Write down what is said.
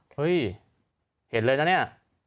เฮ้ยเห็นเลยนะเนี่ย